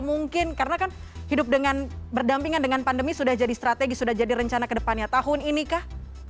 mungkin karena kan hidup dengan berdampingan dengan pandemi sudah jadi strategi sudah jadi rencana kedepannya tahun ini kah